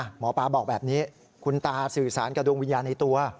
หมอปลาบอกแบบนี้คุณตาสื่อสารกับดวงวิญญาณในตัว